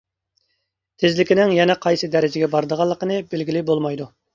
تېزلىكنىڭ يەنە قايسى دەرىجىگە بارىدىغانلىقىنى بىلگىلى بولمايدۇ.